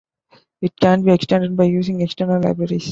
It can be extended by using external libraries.